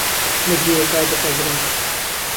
لە جێیەکا دەس ئەگرن